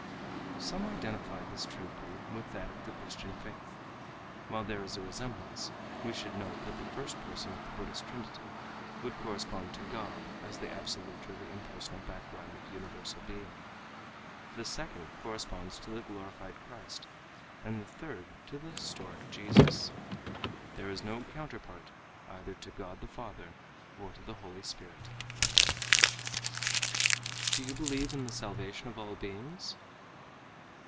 Some identify this trinity with that of the Christian faith. While there is a resemblance, we should note that the first person of the Buddhist trinity would correspond to God as the absolute or the impersonal background of universal Being. The second corresponds to the glorified Christ and the third to the historic Jesus. There is no counterpart either to God the Father or to the Holy Spirit. "Do you believe in the salvation of all beings?"